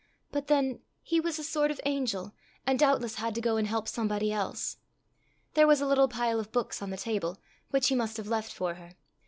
But then he was a sort of angel, and doubtless had to go and help somebody else. There was a little pile of books on the table, which he must have left for her.